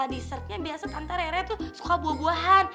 dessertnya biasa tante rera tuh suka buah buahan